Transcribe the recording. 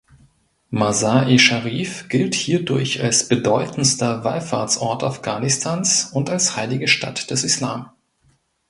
Masar-e Scharif gilt hierdurch als bedeutendster Wallfahrtsort Afghanistans und als heilige Stadt des Islam.